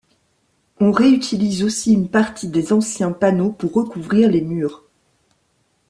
On réutilise aussi une partie des anciens panneaux pour recouvrir les murs.